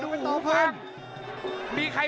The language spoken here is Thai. โดนท่องโดนท่องมีอาการ